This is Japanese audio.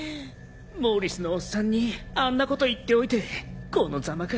モーリスのおっさんにあんなこと言っておいてこのざまか。